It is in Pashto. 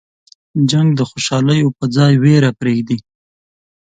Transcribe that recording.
جنګ د خوشحالیو په ځای ویر پرېږدي.